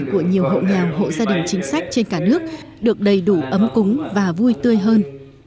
của nhiều hộ nghèo hộ gia đình chính sách trên cả nước được đầy đủ ấm cúng và vui tươi hơn